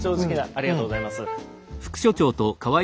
ありがとうございます。